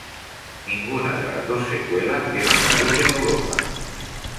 Ninguna de las dos secuelas vieron la luz en Europa.